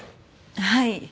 はい。